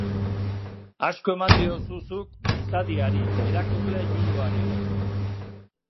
Asko eman diozu zuk gizadiari, irakurle juduari.